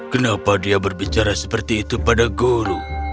kenapa dia berbicara seperti itu pada guru